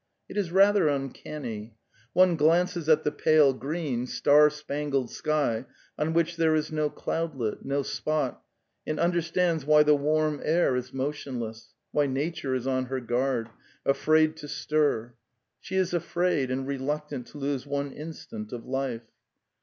... It is rather uncanny. One glances at the pale green, star spangled sky on which there is no cloudlet, no spot, and understands why the warm air is motionless, why nature is on her guard, afraid to stir: she is afraid and reluctant to lose one instant of life.